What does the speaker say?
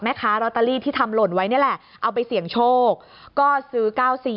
รอตเตอรี่ที่ทำหล่นไว้นี่แหละเอาไปเสี่ยงโชคก็ซื้อ๙๔